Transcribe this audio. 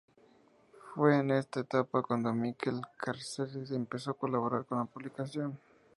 Fue en esta etapa cuando Miquel Carceller empezó a colaborar con la publicación.